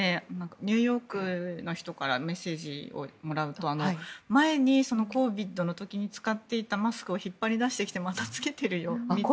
ニューヨークの人からメッセージをもらうと前に、ＣＯＶＩＤの時に使っていたマスクをマスクを引っ張り出してきてまた着けているよみたいな。